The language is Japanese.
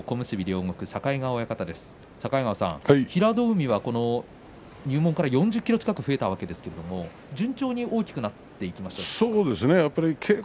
平戸海は入門から４０ｋｇ近く増えたわけですけれど順調に大きくなってきましたか。